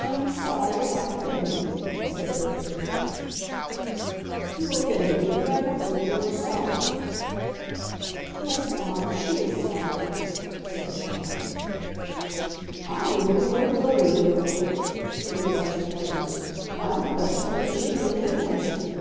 "I am sorry if I offend you," said Gertrude. "You offend me, but I don't think you are sorry." "Yes, father, she is sorry," said Charlotte. "I would even go further, dear uncle," Felix interposed. "I would question whether she really offends you.